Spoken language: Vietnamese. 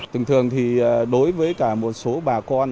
thường thường thì đối với cả một số bà con